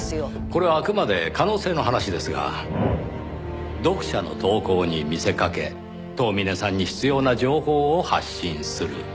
これはあくまで可能性の話ですが読者の投稿に見せかけ遠峰さんに必要な情報を発信する。